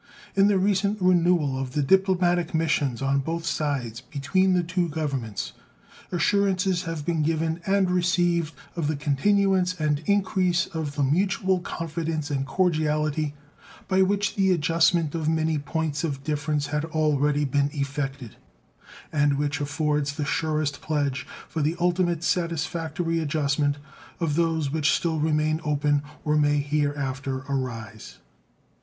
In the recent renewal of the diplomatic missions on both sides between the two Governments assurances have been given and received of the continuance and increase of the mutual confidence and cordiality by which the adjustment of many points of difference had already been effected, and which affords the surest pledge for the ultimate satisfactory adjustment of those which still remain open or may hereafter arise.